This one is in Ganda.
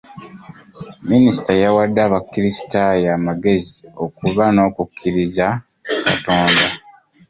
Minisita yawadde abakrisitaayo amagezi okuba n'okukkiriza Katonda.